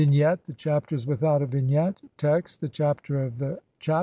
] Vignette : This Chapter is without a vignette. Text : The Chapter of the Chapi.